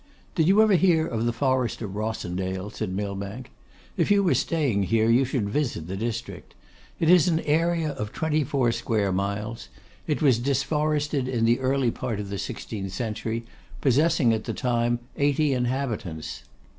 'Did you ever hear of the Forest of Rossendale?' said Millbank. 'If you were staying here, you should visit the district. It is an area of twenty four square miles. It was disforested in the early part of the sixteenth century, possessing at that time eighty inhabitants.